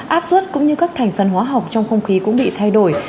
áp suất cũng như các thành phần hóa học trong không khí cũng bị thay đổi